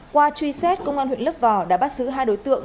qua truy xét công an huyện lấp vò đã bắt giữ hai đối tượng